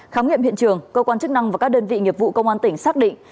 khám nghiệm hiện trường cơ quan chức năng và các đơn vị nghiệp vụ công an tỉnh xác định